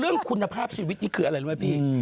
เรื่องคุณภาพชีวิตนี่คืออะไรรู้ไหมพี่